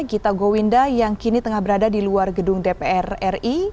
gita gowinda yang kini tengah berada di luar gedung dpr ri